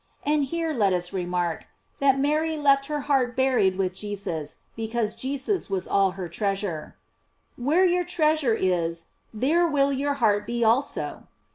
And here let us remark, that Mary left her heart buried with Jesus, because Jesus was all her treasure: "Where your treasure is, there will your heart be also."